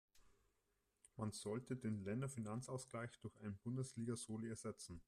Man sollte den Länderfinanzausgleich durch einen Bundesliga-Soli ersetzen.